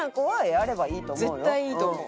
絶対いいと思う。